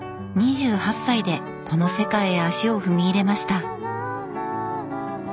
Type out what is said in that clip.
２８歳でこの世界へ足を踏み入れました。